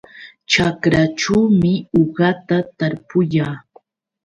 Ćhakraćhuumi uqata tarpuyaa.